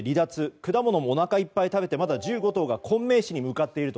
果物もおなかいっぱい食べてまだ１５頭が昆明市に向かっていると。